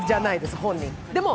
本人。